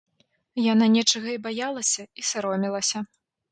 Яна нечага і баялася, і саромілася.